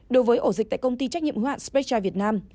đối với ổ dịch tại công ty trách nhiệm hoạn special vietnam